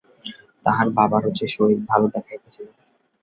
তাহার বাবারও যে শরীর ভালো দেখাইতেছে না।